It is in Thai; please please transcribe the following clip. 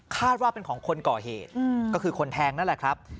ว่าเป็นของคนก่อเหตุก็คือคนแทงนั่นแหละครับ